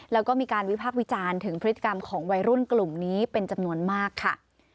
แล้วก็มีการวิพากษ์วิจารณ์ถึงพฤติกรรมของวัยรุ่นกลุ่มนี้เป็นจำนวนมากค่ะ